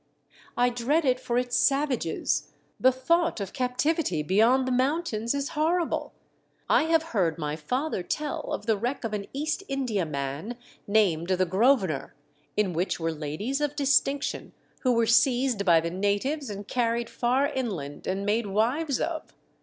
I dread it for its savages — the thought oi captivity beyond the mountains is horrible ! I have heard my father tell of the wreck oi an East Indiaman named the Grosvenor, in which were ladies of distinction, who were seized by the natives and carried far inland and made wives of.